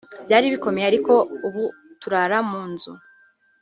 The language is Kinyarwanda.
byari bikomeye ariko ubu turara mu nzu